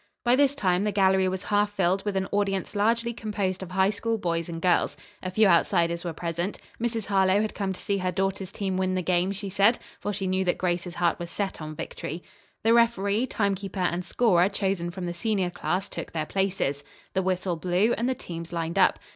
By this time the gallery was half filled with an audience largely composed of High School boys and girls. A few outsiders were present. Mrs. Harlowe had come to see her daughter's team win the game, she said; for she knew that Grace's heart was set on victory. The referee, time keeper and scorer chosen from the senior class took their places. The whistle blew and the teams lined up.